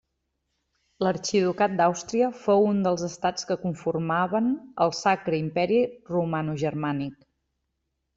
L'Arxiducat d'Àustria fou un dels estats que conformaven el Sacre Imperi Romanogermànic.